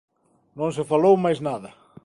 Non se falou máis nada.